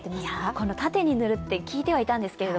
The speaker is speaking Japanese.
この縦に塗るって聞いてはいたんですけど、